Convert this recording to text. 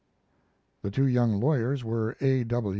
The two young lawyers were A.